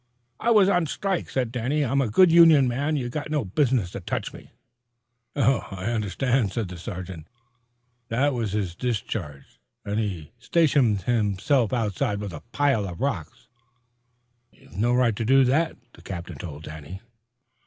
"I was on strike," said Danny. "I'm a good union man. You got no business to touch me." "I understand," said the sergeant, "that he was discharged, and he stationed himself outside with a pile of rocks." "You've no right to do that," the captain told Danny.